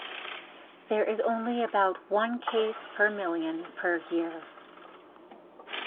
There is only about one case per million per year.